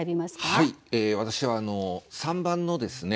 はい私は３番のですね